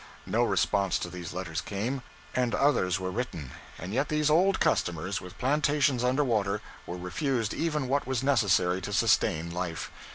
No response to these letters came, and others were written, and yet these old customers, with plantations under water, were refused even what was necessary to sustain life.